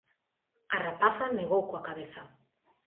A rapaza negou coa cabeza.